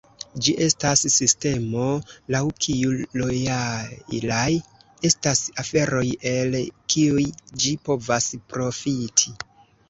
Ĝi estas sistemo, laŭ kiu lojalaj estas aferoj el kiuj ĝi povas profiti.